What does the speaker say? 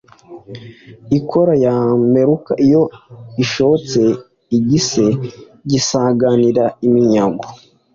Ikora ya Mberuka Iyo ishotse igise Gisanganira-minyago